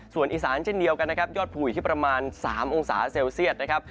ส่วนอีสานเช่นเดียวกันนะครับยอดภูอยู่ที่ประมาณ๓องศาเซลเซียตนะครับ